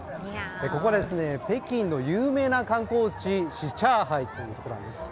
ここは北京の有名な観光地シチャーハイというところなんです。